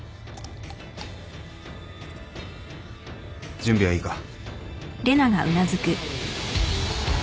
準備はいいか？